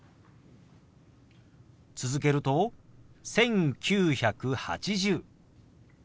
続けると「１９８０」。